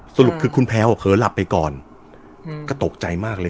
สรุปคือคุณแพลวเขินหลับไปก่อนก็ตกใจมากเลย